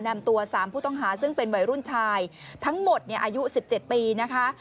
นำตัว๓ผู้ต้องหาซึ่งเป็นวัยรุ่นชายทั้งหมดอายุ๑๗ปีนะคะ